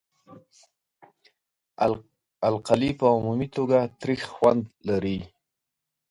القلي په عمومي توګه تریخ خوند لري.